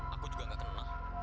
aku juga nggak kenal